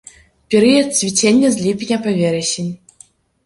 Перыяд цвіцення з ліпеня па верасень.